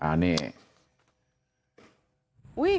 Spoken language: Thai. อ่ะนี่